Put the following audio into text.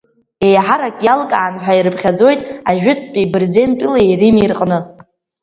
Еиҳарак иалкаан ҳәа ирыԥхьаӡоит ажәытәтәи Бырзентәылеи Рими рҟны.